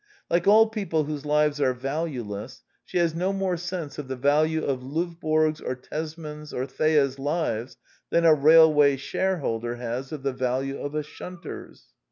Like all people whose lives are valueless, she has no more sense of the value of Lovborg's or Tes man's or Thea's lives than a railway shareholder has of the value of a shunter's.